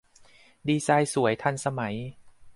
ดีไซน์สวย ทันสมัย